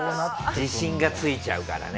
自信がついちゃうからね。